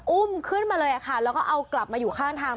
อุ้มขึ้นมาเลยค่ะแล้วก็เอากลับมาอยู่ข้างทาง